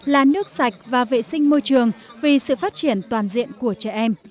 là nước sạch và vệ sinh môi trường vì sự phát triển toàn diện của trẻ em